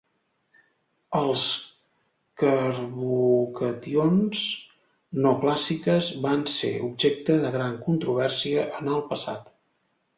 Els carbocations "no clàssiques" van ser objecte de gran controvèrsia en el passat.